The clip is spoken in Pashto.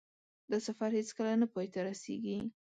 دا سفر هېڅکله نه پای ته رسېږي.